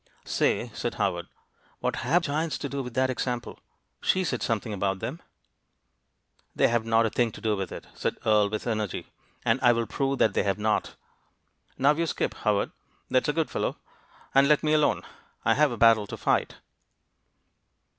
"Say," said Howard, "what have giants to do with that example? She said something about them." "They have not a thing to do with it," said Earle with energy, "and I will prove that they have not. Now you skip, Howard, that's a good fellow, and let me alone. I have a battle to fight."